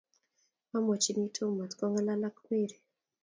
amwachini tom matkotimongalal ak mary